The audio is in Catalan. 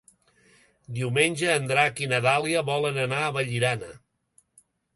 Diumenge en Drac i na Dàlia volen anar a Vallirana.